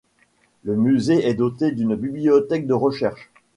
Le musée est doté d'une bibliothèque de recherche.